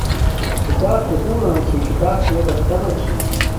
کھیتاپ سکولنا چھی کھیتاپ میے بستا نہ چھی